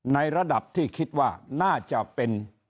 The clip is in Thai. ในระดับที่คิดว่าน่าจะเป็น